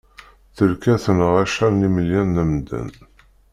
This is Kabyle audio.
Tterka tenɣa acḥal n imelyan d amdan.